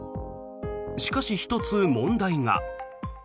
しかし、１つ問題が。